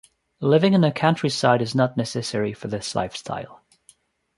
Living in the countryside is not necessary for this lifestyle.